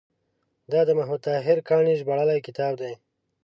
دا د محمد طاهر کاڼي ژباړلی کتاب دی.